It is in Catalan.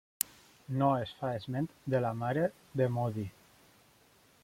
No es fa esment de la mare de Modi.